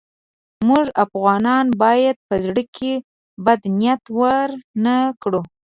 موږ افغانان باید په زړه کې بد نیت ورنه کړو.